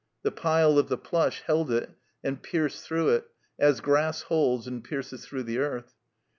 The pile of the plush held it and pierced through it, as grass holds and pierces through the earth.